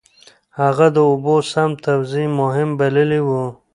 هغه د اوبو سم توزيع مهم بللی و.